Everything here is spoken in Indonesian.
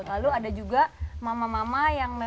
lalu ada juga mama mama yang memang